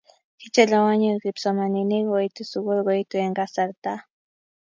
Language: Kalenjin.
Kichelewanyo kipsomaninik koitu sukul koitu eng kasarta